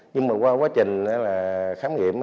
nhưng mà qua quá trình khám nghiệm